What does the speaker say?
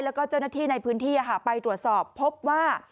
แล้วก็เจ้าหน้าที่ในพื้นที่ไปตรวจสอบพบว่า